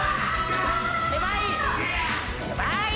狭い！